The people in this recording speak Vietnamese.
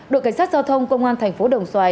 đội cảnh sát giao thông công an tp đồng xoài